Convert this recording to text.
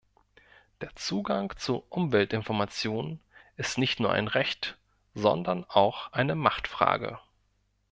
Der Zugang zu Umweltinformationen ist nicht nur ein Recht, sondern auch eine Machtfrage.